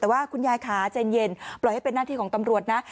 แต่ว่าคุณยายขาใจเย็นปล่อยให้เป็นหน้าที่ของตำรวจนะ